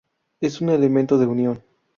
Es un elemento de unión.